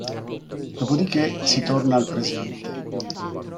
Dopo di che, si torna al presente.